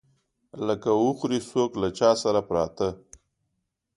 لکه وخوري څوک له چاى سره پراټه.